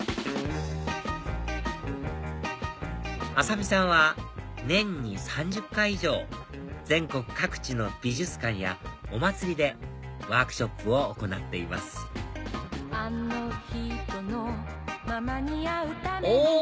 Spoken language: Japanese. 浅見さんは年に３０回以上全国各地の美術館やお祭りでワークショップを行っていますおっ！